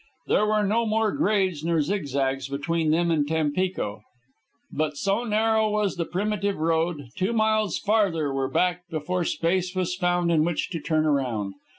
There were no more grades nor zigzags between them and Tampico, but, so narrow was the primitive road, two miles farther were backed before space was found in which to turn around.